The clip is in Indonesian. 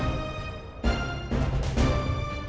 saya sudah berhenti